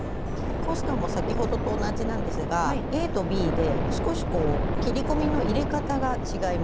コースターも先ほどと同じなんですがａとｂで少しこう切り込みの入れ方が違います。